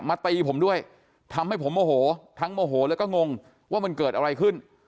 ตีผมด้วยทำให้ผมโมโหทั้งโมโหแล้วก็งงว่ามันเกิดอะไรขึ้น